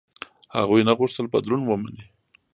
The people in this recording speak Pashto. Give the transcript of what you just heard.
هغوی نه غوښتل بدلون ومني.